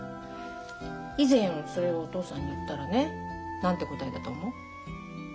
以前それをお父さんに言ったらね何て答えたと思う？